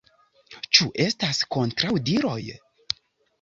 Ĉu estas kontraŭdiroj?